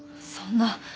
そんな。